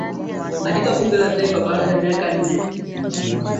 katika bunge la taifa baada ya miaka minne